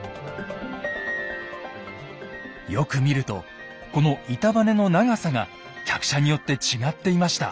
よく見るとこの板バネの長さが客車によって違っていました。